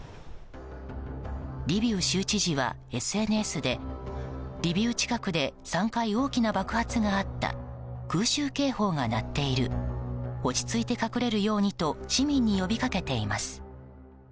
リビウ州知事はＳＮＳでリビウ近くで３回大きな爆発があった空襲警報が鳴っている落ち着いて隠れるようにと市民に呼び掛けています。